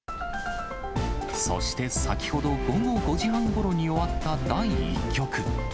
そして先ほど午後５時半ごろに終わった第１局。